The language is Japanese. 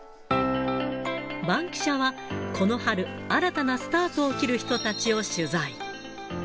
バンキシャはこの春、新たなスタートを切る人たちを取材。